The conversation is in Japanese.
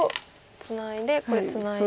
ツナいでこれツナいで。